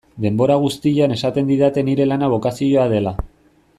Denbora guztian esaten didate nire lana bokazioa dela.